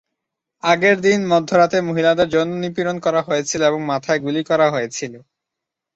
আগের দিন মধ্যরাতে মহিলাদের যৌন নিপীড়ন করা হয়েছিল এবং মাথায় গুলি করা হয়েছিল।